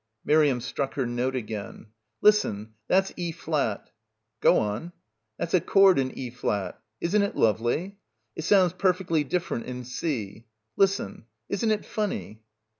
Miriam struck her note again. "Listen, that's E flat." "Go on." "That's a chord in E flat. Isn't it lovely? It sounds perfectly different in C. Listen. Isn't it funny?"